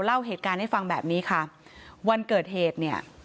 เล่าเหตุการณ์ให้ฟังแบบนี้ค่ะวันเกิดเหตุเนี่ย